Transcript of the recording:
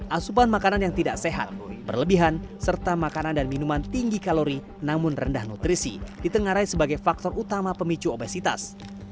asupan makanan yang tidak sehat berlebihan serta makanan dan minuman tinggi kalori namun rendah nutrisi ditengarai sebagai faktor utama pemicu obesitas